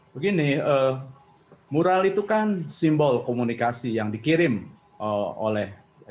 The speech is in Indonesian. begini moral itu kan simbol komunikasi yang dikirim oleh ya sebutnya